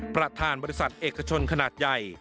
ประธานบริษัทเอกชนขนาดใหญ่